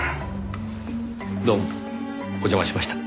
どうもお邪魔しました。